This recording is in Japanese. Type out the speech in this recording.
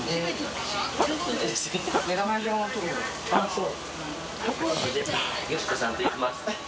そう。